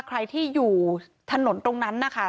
ใครที่อยู่ถนนตรงนั้นนะคะ